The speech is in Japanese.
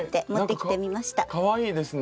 かわいいですね。